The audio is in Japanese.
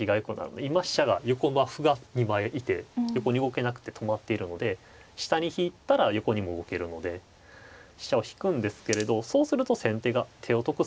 今飛車が横まあ歩が２枚いて横に動けなくて止まっているので下に引いたら横にも動けるので飛車を引くんですけれどそうすると先手が手を得するじゃないですか。